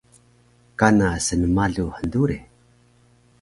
Kana snmalu hndure